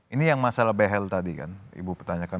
ini yang masalah behel tadi kan ibu pertanyakan